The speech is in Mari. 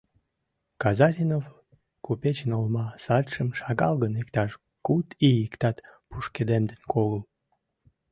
Казаринов купечын олма садшым шагал гын иктаж куд ий иктат пушкыдемден огыл.